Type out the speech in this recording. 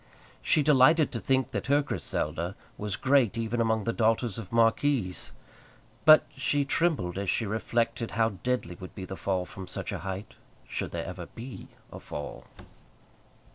She delighted to think that her Griselda was great even among the daughters of marquises; but she trembled as she reflected how deadly would be the fall from such a height should there ever be a fall!